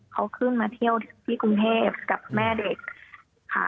เขาขึ้นมาเที่ยวที่กรุงเทพกับแม่เด็กค่ะ